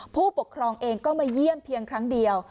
ผู้ปกครองเองก็มาเยี่ยมเพียงครั้งเดียว